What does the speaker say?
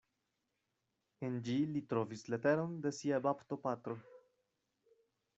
En ĝi li trovis leteron de sia baptopatro.